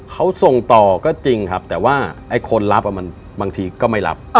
เขาส่งต่อก็จริงครับแต่ว่าไอ้คนรับมันบางทีก็ไม่รับ